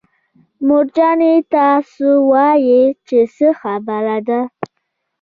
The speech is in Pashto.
مور جانې تاسو ووايئ چې څه خبره ده.